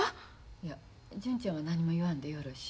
いや純ちゃんは何も言わんでよろし。